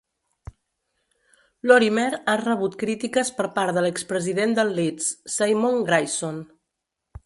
Lorimer ha rebut crítiques per part de l'expresident del Leeds, Simon Grayson.